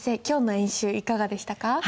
今日の演習いかがでしたか。